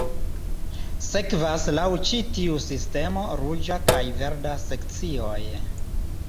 Sekvas laŭ ĉi tiu sistemo ruĝa kaj verda sekcioj.